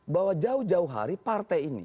bahwa jauh jauh hari partai ini